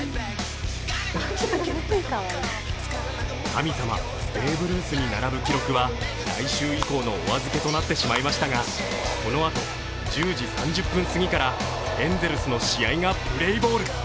神様ベーブ・ルースに並ぶ記録は来週以降のお預けとなってしまいましたが、このあと１０時３０分すぎからエンゼルスの試合がプレーボール。